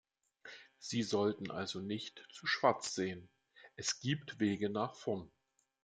Sie sollten also nicht zu schwarz sehen, es gibt Wege nach vorn.